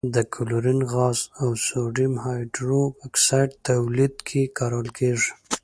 د کلورین غاز او سوډیم هایدرو اکسایډ تولید کې کارول کیږي.